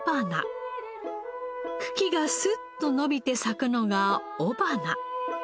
茎がスッと伸びて咲くのが雄花。